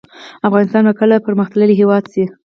افغانستان به کله پرمختللی هیواد شي؟